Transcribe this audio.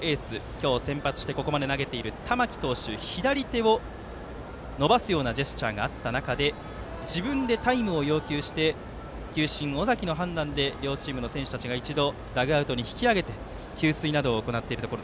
今日先発してここまで投げている玉木投手が左手を伸ばすようなジェスチャーがあった中で自分でタイムを要求して球審・尾崎の判断で両チームの選手たちは一度ダグアウトに引き揚げて給水などを行っています。